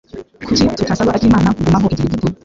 Kuki tutasaba akimana kugumaho igihe gito?